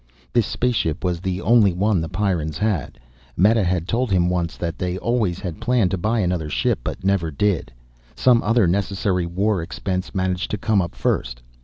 This spaceship was the only one the Pyrrans had. Meta had told him once that they always had planned to buy another ship, but never did. Some other necessary war expense managed to come up first.